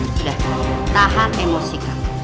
sudah tahan emosikan